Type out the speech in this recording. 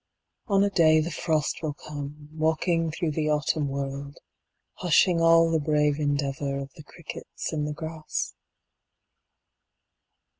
On a day the frost will come, 5 Walking through the autumn world, Hushing all the brave endeavour Of the crickets in the grass.